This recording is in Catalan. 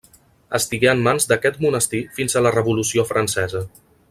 Estigué en mans d'aquest monestir fins a la Revolució Francesa.